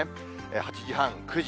８時半、９時。